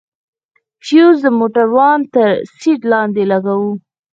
فيوز د موټروان تر سيټ لاندې لگوو.